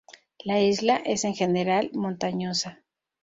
La isla es en general montañosa.